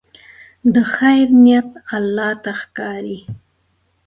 د خیر نیت الله ته ښکاري.